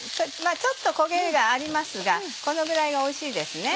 まぁちょっと焦げがありますがこのぐらいがおいしいです。